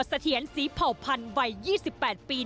เสถียรศรีเผ่าพันธ์วัย๒๘ปี